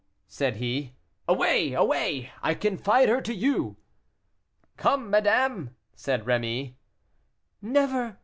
said he. "Away! away! I confide her to you." "Come, madame," said Rémy. "Never!